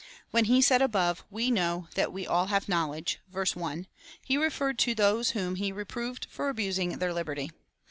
When he said above — We know that we all have knowledge, (verse 1,) he referred to those whom he reproved for abusing their liberty.